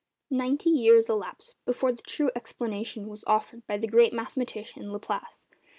Ninety years elapsed before the true explanation was offered by the great mathematician Laplace.